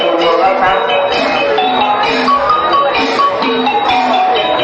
แล้วก็ส่วนดีในวันเช้ารุ่มครับ